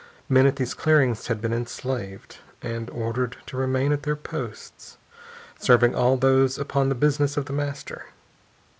Men at these clearings had been enslaved and ordered to remain at their posts, serving all those upon the business of The Master.